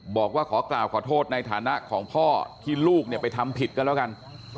บอกว่าขอกล่าวขอโทษในฐานะของพ่อที่ลูกไปทำผิดก็แล้วกัน